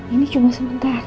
ini cuma sementara